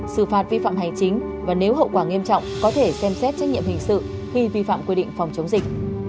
xử phạt vi phạm hành chính và nếu hậu quả nghiêm trọng có thể xem xét trách nhiệm hình sự khi vi phạm quy định phòng chống dịch